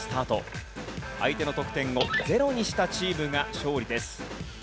相手の得点をゼロにしたチームが勝利です。